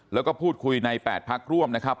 แล้วก็พูดคุยใน๘พักร่วมนะครับ